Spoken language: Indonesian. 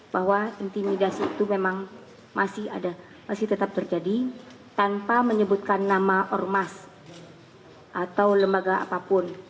bahwa intimidasi itu memang masih ada masih tetap terjadi tanpa menyebutkan nama ormas atau lembaga apapun